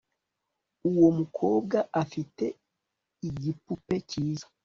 uwo mukobwa afite igipupe cyiza